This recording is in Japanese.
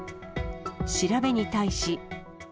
調べに対し。